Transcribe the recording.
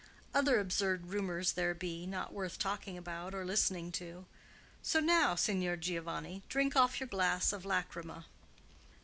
Other absurd rumors there be, not worth talking about or listening to. So now, Signor Giovanni, drink off your glass of lachryma."